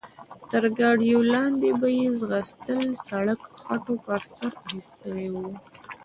تر ګاډیو لاندې به یې ځغستل، سړک خټو پر سر اخیستی و.